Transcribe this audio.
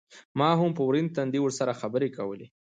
ما هم په ورين تندي ورسره خبرې کولې.